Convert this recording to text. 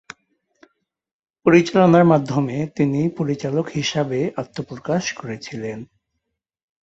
পরিচালনার মাধ্যমে তিনি পরিচালক হিসাবে আত্মপ্রকাশ করেছিলেন।